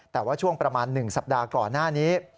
แต่ว่าช่วงประมาณ๑สัปดาห์ก่อนหน้านี้